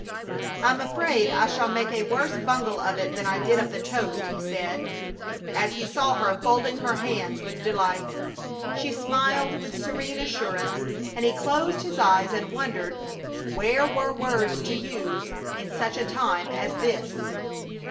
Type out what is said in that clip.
"I'm afraid I shall make a worse bungle of it than I did of the toast," he said, as he saw her folding her hands with delight. She smiled with serene assurance, and he closed his eyes and wondered where were words to use in such a time as this.